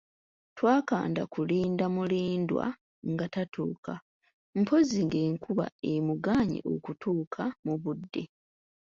Twakanda kulinda Mulindwa nga tatuuka mpozzi ng'enkuba emugaanyi okutuuka mu budde.